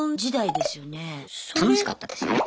楽しかったですよ。ね！